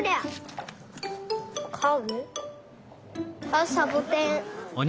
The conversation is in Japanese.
あっサボテン。